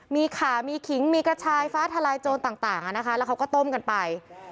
มีขามีขิงมีกระชายฟ้าทลายโจรต่างแล้วเขาก็ต้มกันไป